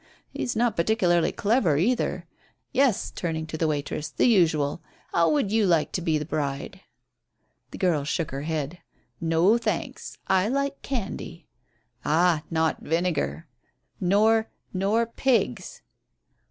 He's not particularly clever either. Yes," turning to the waitress, "the usual. How would you like to be the bride?" The girl shook her head. "No, thanks. I like candy." "Ah, not vinegar." "Nor nor pigs."